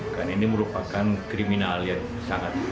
karena ini merupakan kriminal yang sangat terjadi